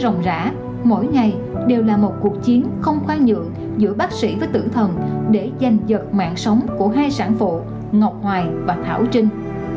rồng rã mỗi ngày đều là một cuộc chiến không khoan nhượng giữa bác sĩ với tử thần để danh dật mạng sống của hai sản phụ ngọc hoài và thảo trinh